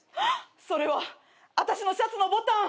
それはあたしのシャツのボタン。